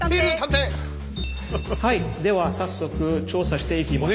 はいでは早速調査していきましょう。